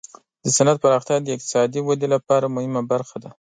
د صنعت پراختیا د اقتصادي ودې لپاره مهمه برخه ده.